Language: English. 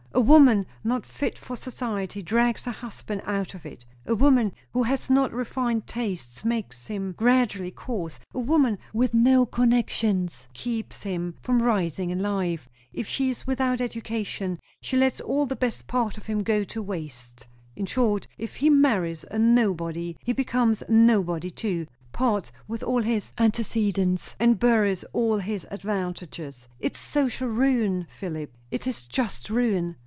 A woman not fit for society drags her husband out of it; a woman who has not refined tastes makes him gradually coarse; a woman with no connections keeps him from rising in life; if she is without education, she lets all the best part of him go to waste. In short, if he marries a nobody he becomes nobody too; parts with all his antecedents, and buries all his advantages. It's social ruin, Philip! it is just ruin."